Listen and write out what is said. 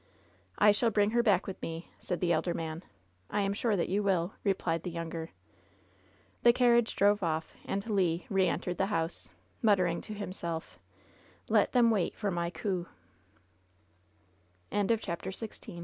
"I shall bring her back with me," said the elder man. '*I am sure tiat you will," replied the younger. The carriage drove off, and Le re entered the house, muttering to himself: "Let them wait for my coupT CHAPTER XVII BEFORE THE